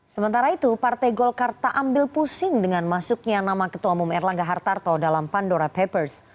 sementara itu partai golkar tak ambil pusing dengan masuknya nama ketua umum erlangga hartarto dalam pandora papers